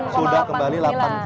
sudah kembali delapan sembilan